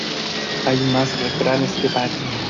Hay más refranes que panes.